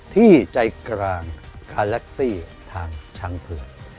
ที่ใจกลางคาแล็กซี่ทางช้างเผือก